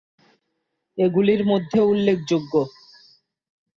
এগুলির মধ্যে উল্লেখযোগ্য।